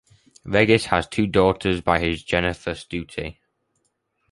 Regis has two daughters by his wife Jennifer Stoute.